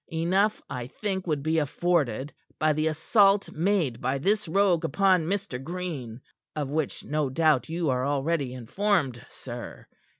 Enough, I think, would be afforded by the assault made by this rogue upon Mr. Green, of which, no doubt, you are already informed, sir.